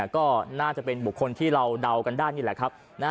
ก็น่าจะเป็นบุคคลที่เราเดากันได้นี่แหละครับ